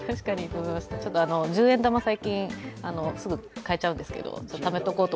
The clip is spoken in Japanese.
十円玉、最近、すぐかえちゃうんですけど、ためておきます。